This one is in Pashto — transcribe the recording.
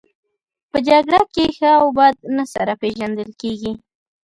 په جګړه کې ښه او بد نه سره پېژندل کیږي